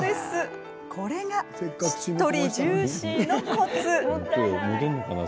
これがしっとりジューシーのコツ。